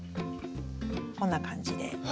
こんな感じで。